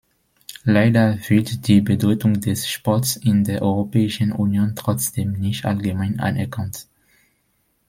Leider wird die Bedeutung des Sports in der Europäischen Union trotzdem nicht allgemein anerkannt.